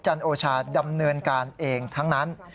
โอชาดำเนินการเองทั้งนั้น